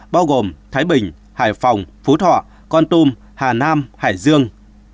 bao gồm thái bình hải phòng phú thọ con tum hà nam hải dương